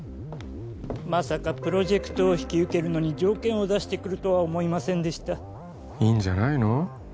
まさかプロジェクトを引き受けるのに条件を出してくるとは思いませんでしたいいんじゃないの？